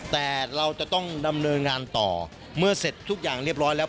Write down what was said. แต่เราจะต้องดำเนินงานต่อเมื่อเสร็จทุกอย่างเรียบร้อยแล้ว